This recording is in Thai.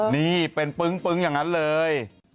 นี่เป็นปึ้งอย่างนั้นเลย